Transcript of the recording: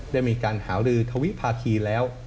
ได้มีการหารือทวิภาคีแล้ว